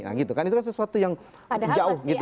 nah gitu kan itu kan sesuatu yang jauh gitu